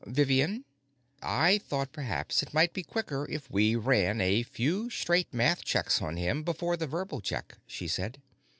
"Vivian?" "I thought perhaps it might be quicker if we ran a few straight math checks on him before the verbal check," she said.